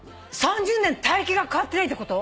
３０年体形が変わってないってこと？